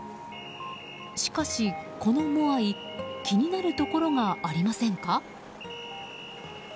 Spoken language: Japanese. しかしこのモアイ気になるところがありませんか？